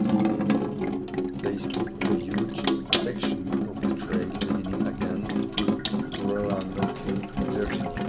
They skip a huge section of the trail, beginning again in Roanoke, Virginia.